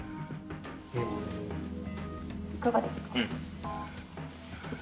いかがですか？